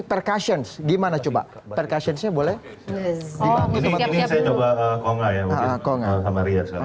percashens gimana coba percashens nya boleh oh ini saya coba kalau nggak ya oke